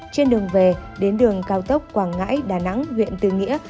trên đường về đến đường cao tốc quảng ngãi đà nẵng huyện tư nghĩa